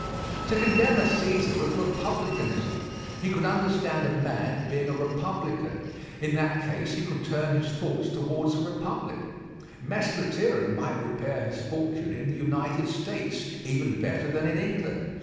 To contemn a Cæsar was republicanism. He could understand a man being a republican. In that case he could turn his thoughts towards a republic. Mess Lethierry might repair his fortune in the United States, even better than in England.